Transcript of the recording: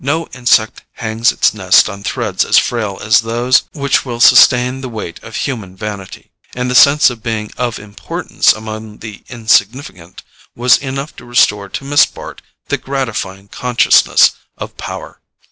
No insect hangs its nest on threads as frail as those which will sustain the weight of human vanity; and the sense of being of importance among the insignificant was enough to restore to Miss Bart the gratifying consciousness of power.